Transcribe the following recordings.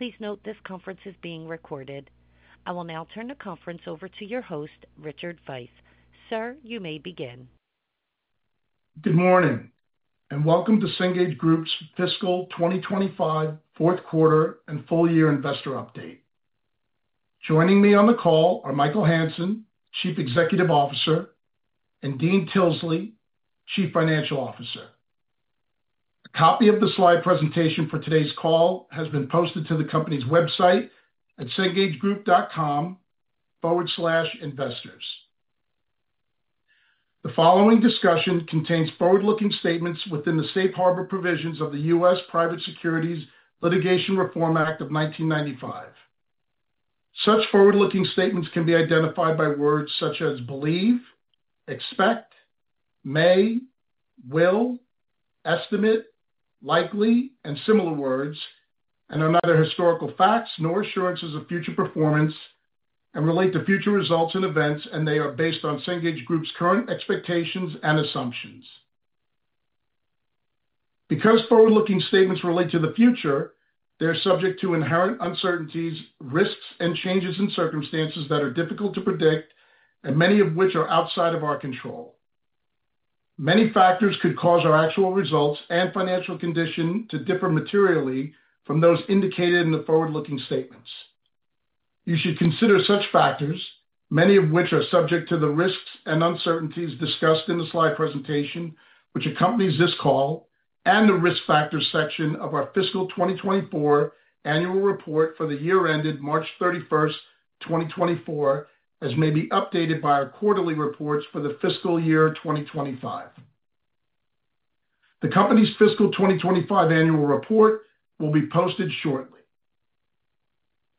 Please note this conference is being recorded. I will now turn the conference over to your host, Richard Veith. Sir, you may begin. Good morning, and welcome to Cengage Group's fiscal 2025 fourth quarter and full-year investor update. Joining me on the call are Michael Hansen, Chief Executive Officer, and Dean Tilsley, Chief Financial Officer. A copy of the slide presentation for today's call has been posted to the company's website at cengagegroup.com/investors. The following discussion contains forward-looking statements within the safe harbor provisions of the U.S. Private Securities Litigation Reform Act of 1995. Such forward-looking statements can be identified by words such as believe, expect, may, will, estimate, likely, and similar words, and are neither historical facts nor assurances of future performance, and relate to future results and events, and they are based on Cengage Group's current expectations and assumptions. Because forward-looking statements relate to the future, they are subject to inherent uncertainties, risks, and changes in circumstances that are difficult to predict, and many of which are outside of our control. Many factors could cause our actual results and financial condition to differ materially from those indicated in the forward-looking statements. You should consider such factors, many of which are subject to the risks and uncertainties discussed in the slide presentation which accompanies this call, and the risk factors section of our fiscal 2024 annual report for the year ended March 31, 2024, as may be updated by our quarterly reports for the fiscal year 2025. The company's fiscal 2025 annual report will be posted shortly.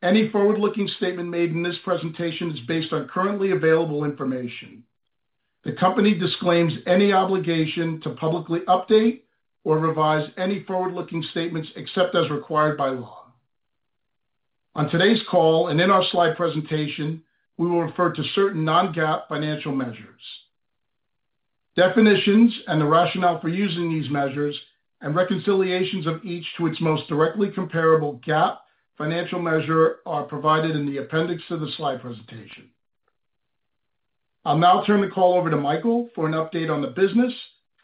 Any forward-looking statement made in this presentation is based on currently available information. The company disclaims any obligation to publicly update or revise any forward-looking statements except as required by law. On today's call and in our slide presentation, we will refer to certain non-GAAP financial measures. Definitions and the rationale for using these measures, and reconciliations of each to its most directly comparable GAAP financial measure, are provided in the appendix to the slide presentation. I'll now turn the call over to Michael for an update on the business,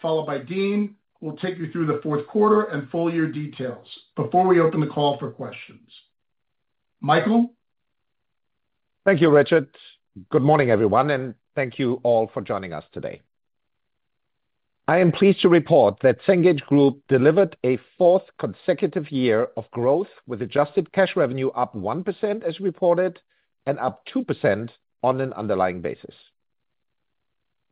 followed by Dean, who will take you through the fourth quarter and full-year details before we open the call for questions. Michael? Thank you, Richard. Good morning, everyone, and thank you all for joining us today. I am pleased to report that Cengage Group delivered a fourth consecutive year of growth, with adjusted cash revenue up 1% as reported and up 2% on an underlying basis.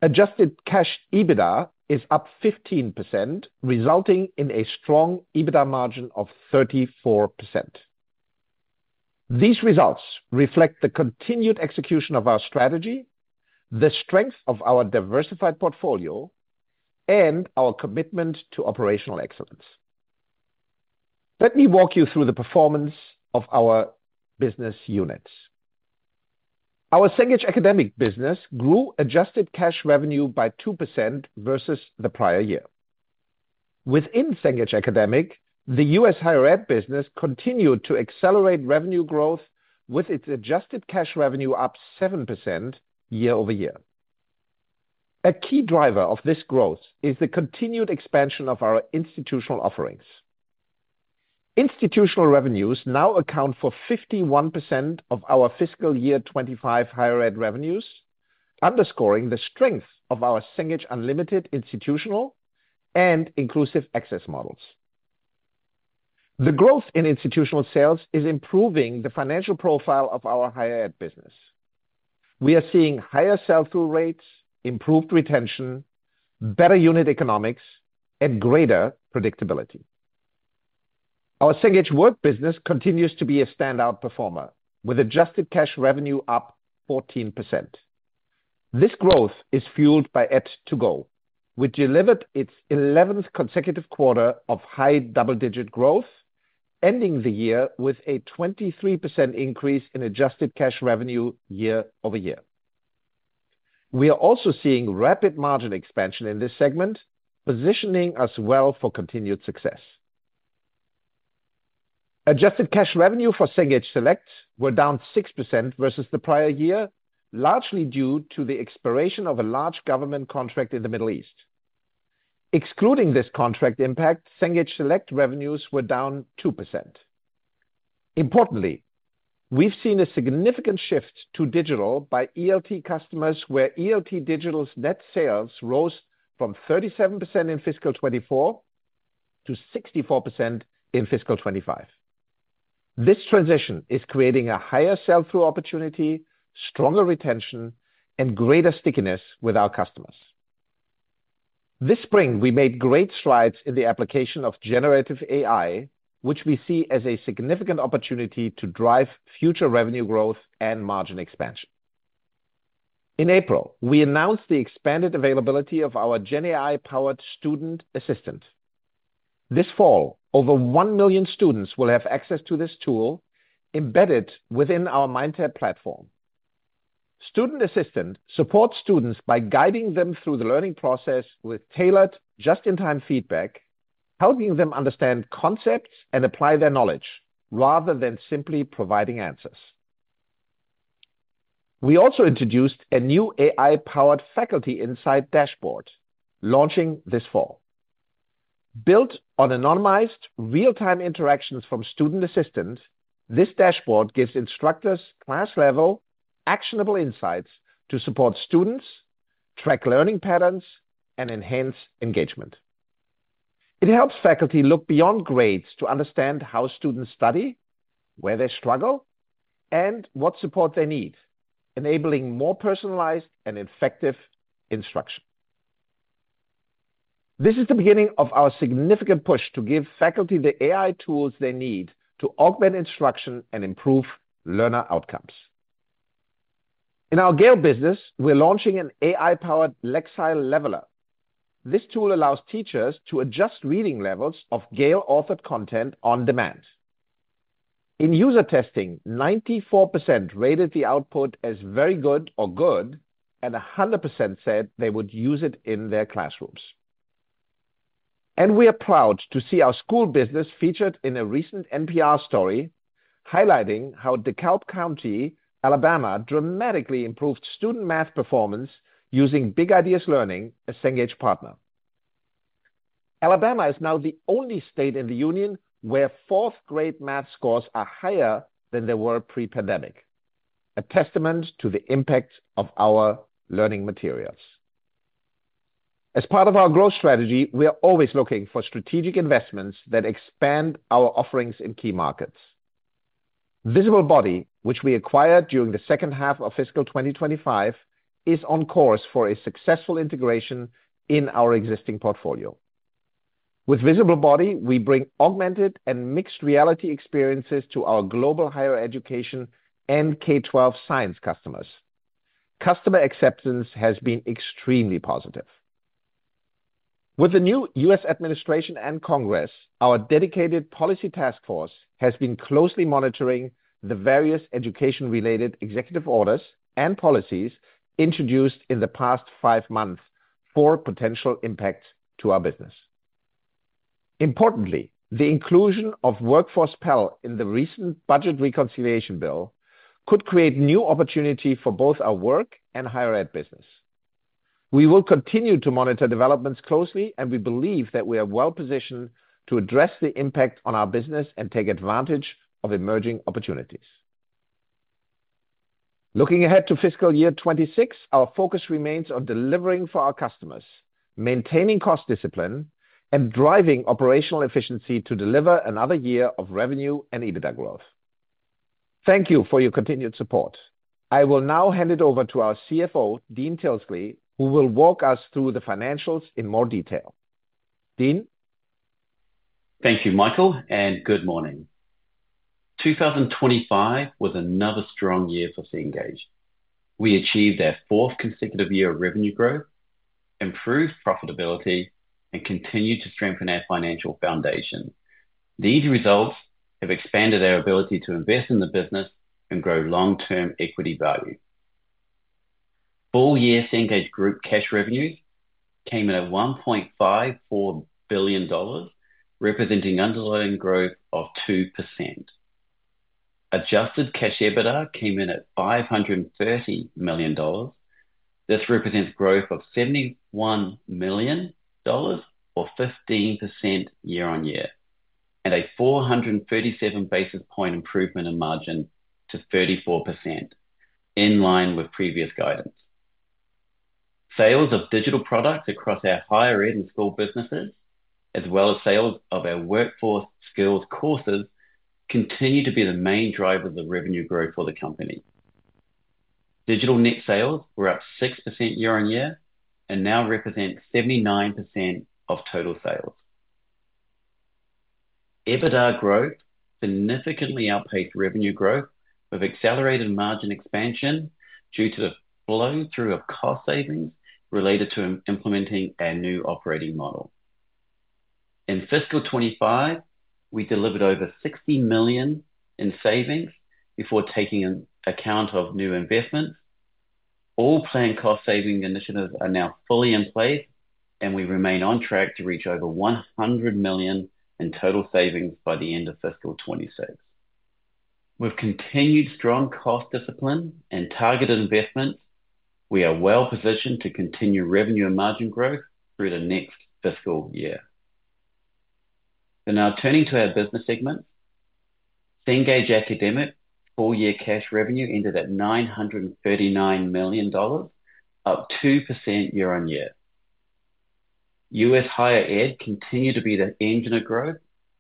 Adjusted cash EBITDA is up 15%, resulting in a strong EBITDA margin of 34%. These results reflect the continued execution of our strategy, the strength of our diversified portfolio, and our commitment to operational excellence. Let me walk you through the performance of our business units. Our Cengage Academic business grew adjusted cash revenue by 2% versus the prior year. Within Cengage Academic, the U.S. higher ed business continued to accelerate revenue growth, with its adjusted cash revenue up 7% year over year. A key driver of this growth is the continued expansion of our institutional offerings. Institutional revenues now account for 51% of our fiscal year 2025 higher ed revenues, underscoring the strength of our Cengage Unlimited institutional and Inclusive Access models. The growth in institutional sales is improving the financial profile of our higher ed business. We are seeing higher sell-through rates, improved retention, better unit economics, and greater predictability. Our Cengage Work business continues to be a standout performer, with adjusted cash revenue up 14%. This growth is fueled by Ed2Go, which delivered its 11th consecutive quarter of high double-digit growth, ending the year with a 23% increase in adjusted cash revenue year over year. We are also seeing rapid margin expansion in this segment, positioning us well for continued success. Adjusted cash revenue for Cengage Select were down 6% versus the prior year, largely due to the expiration of a large government contract in the Middle East. Excluding this contract impact, Cengage Select revenues were down 2%. Importantly, we've seen a significant shift to digital by ELT customers, where ELT Digital's net sales rose from 37% in fiscal 2024 to 64% in fiscal 2025. This transition is creating a higher sell-through opportunity, stronger retention, and greater stickiness with our customers. This spring, we made great strides in the application of generative AI, which we see as a significant opportunity to drive future revenue growth and margin expansion. In April, we announced the expanded availability of our GenAI-powered student assistant. This fall, over 1 million students will have access to this tool embedded within our MindTap platform. Student assistant supports students by guiding them through the learning process with tailored, just-in-time feedback, helping them understand concepts and apply their knowledge rather than simply providing answers. We also introduced a new AI-powered faculty insight dashboard launching this fall. Built on anonymized real-time interactions from Student Assistant, this dashboard gives instructors class-level actionable insights to support students, track learning patterns, and enhance engagement. It helps faculty look beyond grades to understand how students study, where they struggle, and what support they need, enabling more personalized and effective instruction. This is the beginning of our significant push to give faculty the AI tools they need to augment instruction and improve learner outcomes. In our Gale business, we are launching an AI-powered Lexile Leveler. This tool allows teachers to adjust reading levels of Gale-authored content on demand. In user testing, 94% rated the output as very good or good, and 100% said they would use it in their classrooms. We are proud to see our school business featured in a recent NPR story highlighting how DeKalb County, Alabama, dramatically improved student math performance using Big Ideas Learning, a Cengage partner. Alabama is now the only state in the union where fourth-grade math scores are higher than they were pre-pandemic, a testament to the impact of our learning materials. As part of our growth strategy, we are always looking for strategic investments that expand our offerings in key markets. Visible Body, which we acquired during the second half of fiscal 2025, is on course for a successful integration in our existing portfolio. With Visible Body, we bring augmented and mixed reality experiences to our global higher education and K-12 science customers. Customer acceptance has been extremely positive. With the new U.S. administration and Congress, our dedicated policy task force has been closely monitoring the various education-related executive orders and policies introduced in the past five months for potential impact to our business. Importantly, the inclusion of Workforce Pell in the recent budget reconciliation bill could create new opportunity for both our work and higher ed business. We will continue to monitor developments closely, and we believe that we are well positioned to address the impact on our business and take advantage of emerging opportunities. Looking ahead to fiscal year 2026, our focus remains on delivering for our customers, maintaining cost discipline, and driving operational efficiency to deliver another year of revenue and EBITDA growth. Thank you for your continued support. I will now hand it over to our CFO, Dean Tilsley, who will walk us through the financials in more detail. Dean? Thank you, Michael, and good morning. 2025 was another strong year for Cengage. We achieved our fourth consecutive year of revenue growth, improved profitability, and continued to strengthen our financial foundation. These results have expanded our ability to invest in the business and grow long-term equity value. Full-year Cengage Group cash revenues came in at $1.54 billion, representing underlying growth of 2%. Adjusted cash EBITDA came in at $530 million. This represents growth of $71 million, or 15% year-on-year, and a 437 basis point improvement in margin to 34%, in line with previous guidance. Sales of digital products across our higher ed and school businesses, as well as sales of our workforce skills courses, continue to be the main drivers of revenue growth for the company. Digital net sales were up 6% year-on-year and now represent 79% of total sales. EBITDA growth significantly outpaced revenue growth with accelerated margin expansion due to the flow-through of cost savings related to implementing our new operating model. In fiscal 2025, we delivered over $60 million in savings before taking account of new investments. All planned cost saving initiatives are now fully in place, and we remain on track to reach over $100 million in total savings by the end of fiscal 2026. With continued strong cost discipline and targeted investments, we are well positioned to continue revenue and margin growth through the next fiscal year. Now turning to our business segments, Cengage Academic's full-year cash revenue ended at $939 million, up 2% year-on-year. U.S. higher ed continued to be the engine of growth,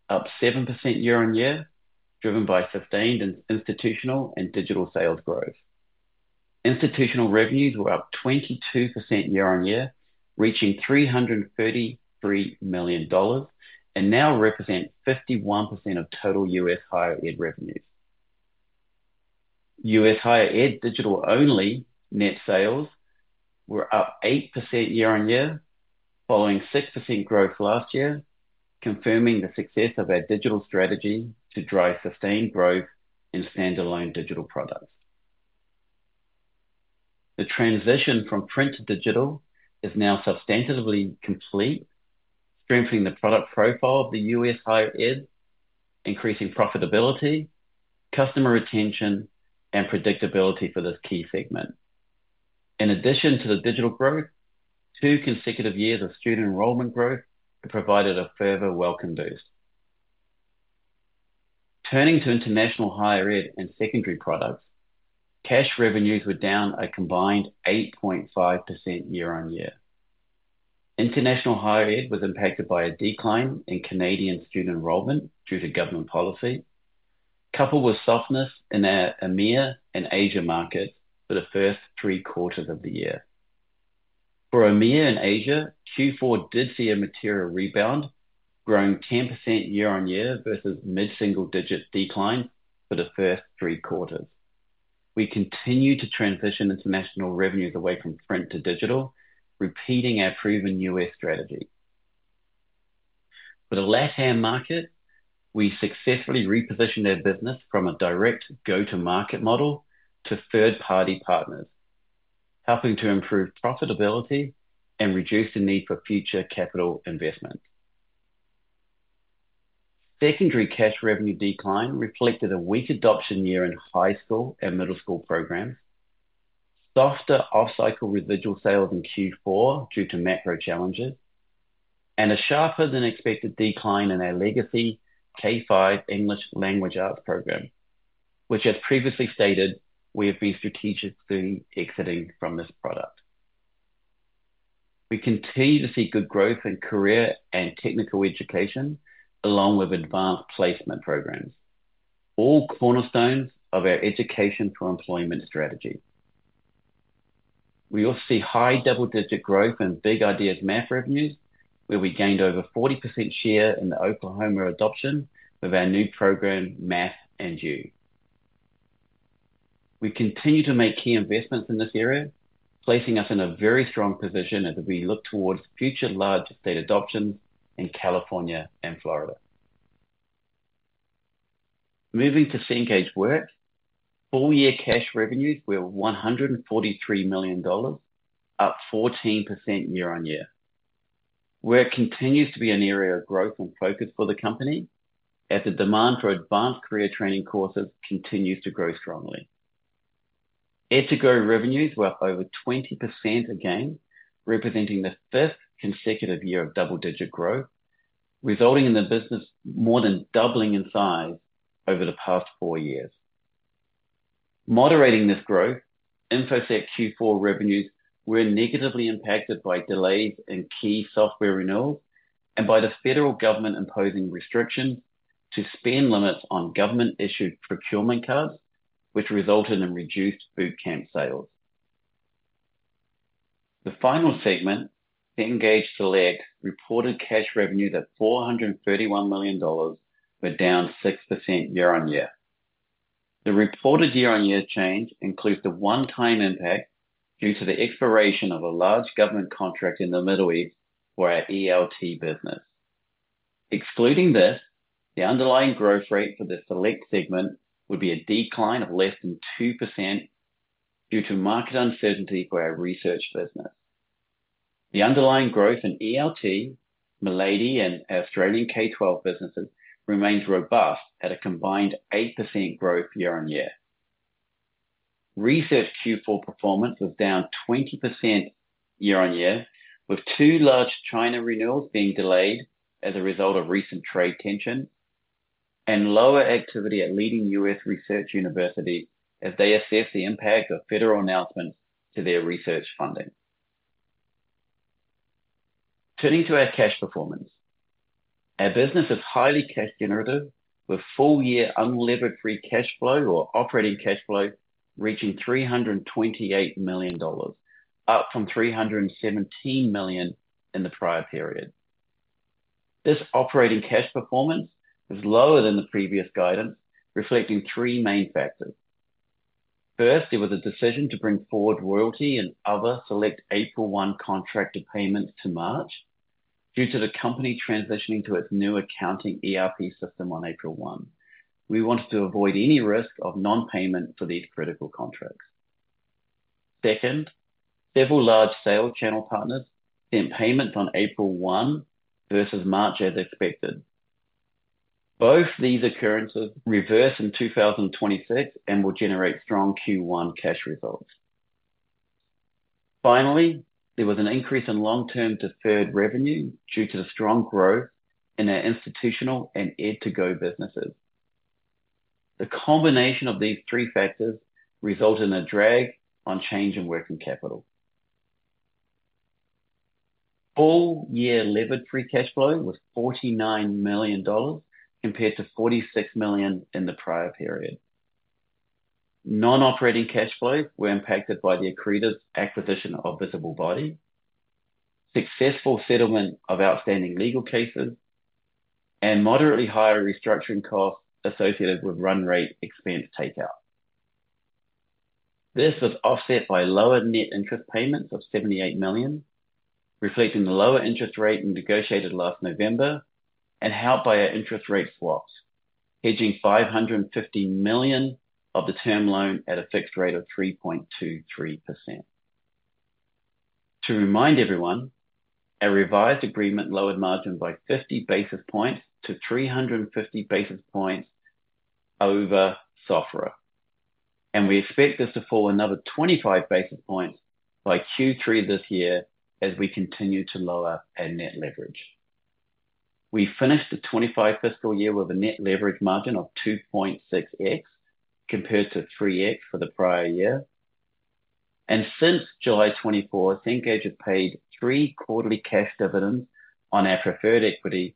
up 7% year-on-year, driven by sustained institutional and digital sales growth. Institutional revenues were up 22% year-on-year, reaching $333 million, and now represent 51% of total U.S. higher ed revenues. U.S. higher ed digital-only net sales were up 8% year-on-year, following 6% growth last year, confirming the success of our digital strategy to drive sustained growth in standalone digital products. The transition from print to digital is now substantively complete, strengthening the product profile of the U.S. higher ed, increasing profitability, customer retention, and predictability for this key segment. In addition to the digital growth, two consecutive years of student enrollment growth have provided a further welcome boost. Turning to international higher ed and secondary products, cash revenues were down a combined 8.5% year-on-year. International higher ed was impacted by a decline in Canadian student enrollment due to government policy, coupled with softness in our EMEA and Asia markets for the first three quarters of the year. For EMEA and Asia, Q4 did see a material rebound, growing 10% year-on-year versus mid-single-digit decline for the first three quarters. We continue to transition international revenues away from print to digital, repeating our proven U.S. strategy. For the Latin market, we successfully repositioned our business from a direct go-to-market model to third-party partners, helping to improve profitability and reduce the need for future capital investments. Secondary cash revenue decline reflected a weak adoption year in high school and middle school programs, softer off-cycle residual sales in Q4 due to macro challenges, and a sharper-than-expected decline in our legacy K-5 English language arts program, which, as previously stated, we have been strategically exiting from this product. We continue to see good growth in career and technical education, along with advanced placement programs, all cornerstones of our education-to-employment strategy. We also see high double-digit growth in Big Ideas Math revenues, where we gained over 40% share in the Oklahoma adoption of our new program, Math & You. We continue to make key investments in this area, placing us in a very strong position as we look towards future large-state adoptions in California and Florida. Moving to Cengage Work, full-year cash revenues were $143 million, up 14% year-on-year. Work continues to be an area of growth and focus for the company as the demand for advanced career training courses continues to grow strongly. Ed2Go revenues were up over 20% again, representing the fifth consecutive year of double-digit growth, resulting in the business more than doubling in size over the past four years. Moderating this growth, InfoSec Q4 revenues were negatively impacted by delays in key software renewals and by the federal government imposing restrictions to spend limits on government-issued procurement cards, which resulted in reduced bootcamp sales. The final segment, Cengage Select, reported cash revenues of $431 million, were down 6% year-on-year. The reported year-on-year change includes the one-time impact due to the expiration of a large government contract in the Middle East for our ELT business. Excluding this, the underlying growth rate for the Select segment would be a decline of less than 2% due to market uncertainty for our research business. The underlying growth in ELT, Milady, and Australian K-12 businesses remains robust at a combined 8% growth year-on-year. Research Q4 performance was down 20% year-on-year, with two large China renewals being delayed as a result of recent trade tension and lower activity at leading U.S. research universities as they assess the impact of federal announcements to their research funding. Turning to our cash performance, our business is highly cash-generative, with full-year unlevered free cash flow or operating cash flow reaching $328 million, up from $317 million in the prior period. This operating cash performance is lower than the previous guidance, reflecting three main factors. First, it was a decision to bring forward royalty and other select April 1 contract payments to March due to the company transitioning to its new accounting ERP system on April 1. We wanted to avoid any risk of non-payment for these critical contracts. Second, several large sales channel partners sent payments on April 1 versus March as expected. Both these occurrences reverse in 2026 and will generate strong Q1 cash results. Finally, there was an increase in long-term deferred revenue due to the strong growth in our institutional and Ed2Go businesses. The combination of these three factors resulted in a drag on change in working capital. Full-year levered free cash flow was $49 million compared to $46 million in the prior period. Non-operating cash flows were impacted by the accretive acquisition of Visible Body, successful settlement of outstanding legal cases, and moderately higher restructuring costs associated with run rate expense takeout. This was offset by lower net interest payments of $78 million, reflecting the lower interest rate negotiated last November and helped by our interest rate swaps, hedging $550 million of the term loan at a fixed rate of 3.23%. To remind everyone, our revised agreement lowered margin by 50 basis points to 350 basis points over SOFR, and we expect this to fall another 25 basis points by Q3 this year as we continue to lower our net leverage. We finished the 2025 fiscal year with a net leverage margin of 2.6x compared to 3x for the prior year, and since July 2024, Cengage has paid three quarterly cash dividends on our preferred equity,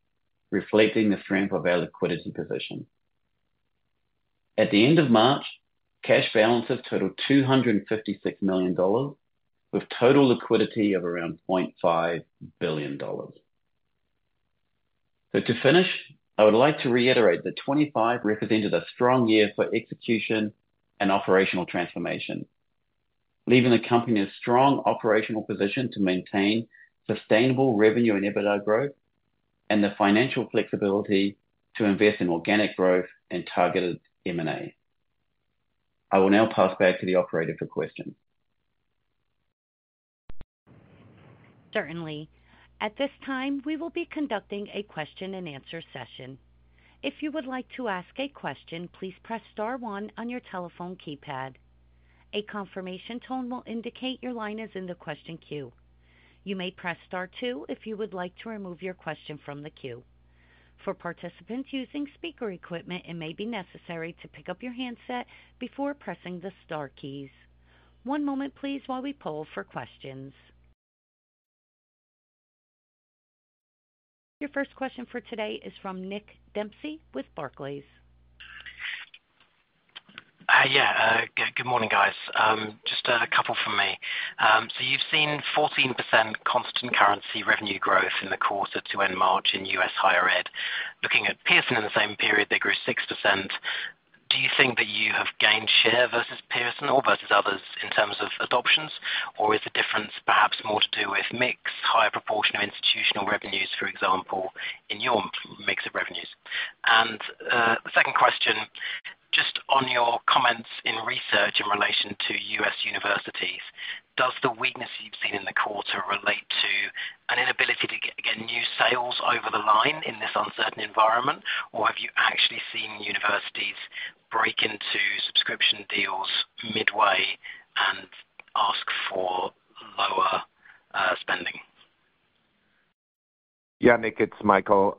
reflecting the strength of our liquidity position. At the end of March, cash balances totaled $256 million, with total liquidity of around $0.5 billion. To finish, I would like to reiterate that 2025 represented a strong year for execution and operational transformation, leaving the company a strong operational position to maintain sustainable revenue and EBITDA growth and the financial flexibility to invest in organic growth and targeted M&A. I will now pass back to the operator for questions. Certainly. At this time, we will be conducting a question-and-answer session. If you would like to ask a question, please press star one on your telephone keypad. A confirmation tone will indicate your line is in the question queue. You may press star two if you would like to remove your question from the queue. For participants using speaker equipment, it may be necessary to pick up your handset before pressing the star keys. One moment, please, while we poll for questions. Your first question for today is from Nick Dempsey with Barclays. Yeah, good morning, guys. Just a couple from me. You have seen 14% constant currency revenue growth in the quarter to end March in U.S. higher ed. Looking at Pearson, in the same period, they grew 6%. Do you think that you have gained share versus Pearson or versus others in terms of adoptions, or is the difference perhaps more to do with mix, higher proportion of institutional revenues, for example, in your mix of revenues? The second question, just on your comments in research in relation to U.S. universities, does the weakness you have seen in the quarter relate to an inability to get new sales over the line in this uncertain environment, or have you actually seen universities break into subscription deals midway and ask for lower spending? Yeah, Nick, it's Michael.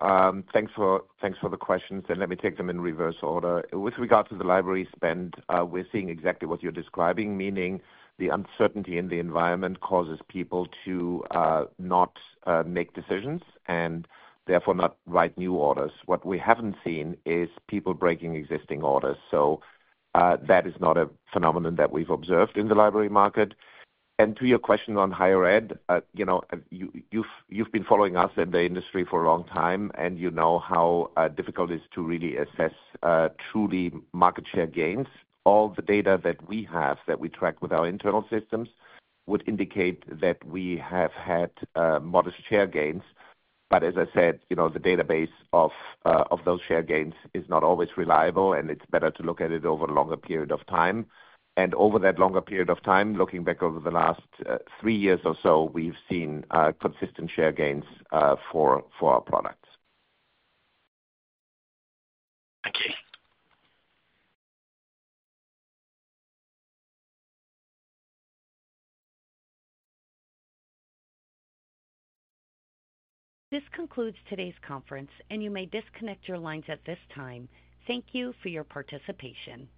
Thanks for the questions, and let me take them in reverse order. With regard to the library spend, we're seeing exactly what you're describing, meaning the uncertainty in the environment causes people to not make decisions and therefore not write new orders. What we haven't seen is people breaking existing orders. That is not a phenomenon that we've observed in the library market. To your question on higher ed, you've been following us in the industry for a long time, and you know how difficult it is to really assess truly market share gains. All the data that we have that we track with our internal systems would indicate that we have had modest share gains. As I said, the database of those share gains is not always reliable, and it's better to look at it over a longer period of time. Over that longer period of time, looking back over the last three years or so, we've seen consistent share gains for our products. This concludes today's conference, and you may disconnect your lines at this time. Thank you for your participation.